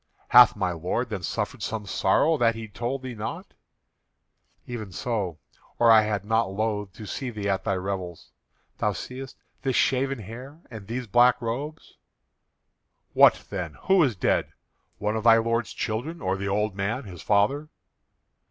"Hath thy lord then suffered some sorrow that he told thee not?" "Even so, or I had not loathed to see thee at thy revels. Thou seest this shaven hair and these black robes." "What then? Who is dead? One of thy lord's children, or the old man, his father?"